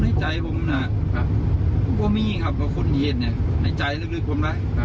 ในใจผมนะคือพวกมีครับคนเห็นในใจลึกบ้างนะ